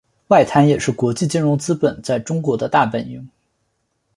外滩也是国际金融资本在中国的大本营。